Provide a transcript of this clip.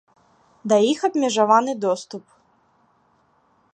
Да іх абмежаваны доступ.